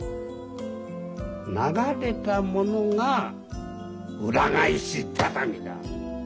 流れたものが裏返し畳みだ。